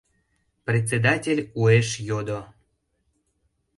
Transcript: — председатель уэш йодо.